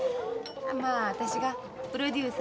まあ私がプロデューサー兼